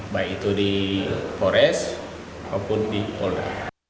baik itu di kores ataupun di polda